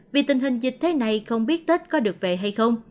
vì tình hình dịch thế này không biết tết có được về hay không